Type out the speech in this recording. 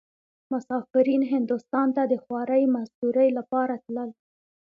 مسافرين هندوستان ته د خوارۍ مزدورۍ لپاره تلل.